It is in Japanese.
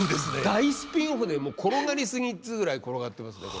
大スピンオフで転がり過ぎっつうぐらい転がってますねこれ。